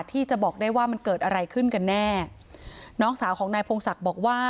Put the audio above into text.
ที่จะบอกได้ว่ามันเกิดอะไรขึ้นกันแน่น้องสาวของนายพงศักดิ์บอกว่า